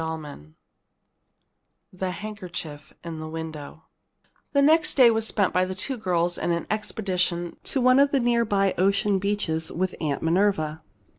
CHAPTER V THE HANDKERCHIEF IN THE WINDOW The next day was spent by the two girls in an expedition to one of the near by ocean beaches with Aunt Minerva.